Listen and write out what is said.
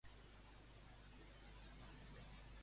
Sobre què li va cridar l'atenció en Bonosi a en Temme?